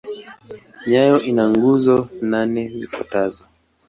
Nayo ina nguzo nane zifuatazo.